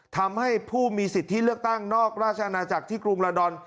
ทำให้ผู้มีสิทธิเลือกตั้งนอกราชอาณาจักรที่กรุงลาดอน